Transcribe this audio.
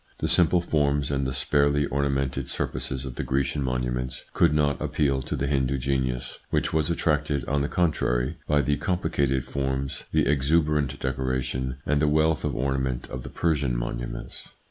The simple forms and the sparely ornamented surfaces of the Grecian monuments could not appeal to the Hindu genius, which was attracted, on the contrary, by the com plicated forms, the exuberant decoration, and the wealth of ornament of the Persian monuments.